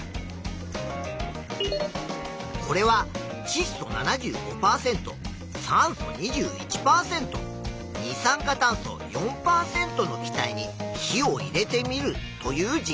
これはちっ素７５％酸素２１％二酸化炭素４％の気体に火を入れてみるという実験。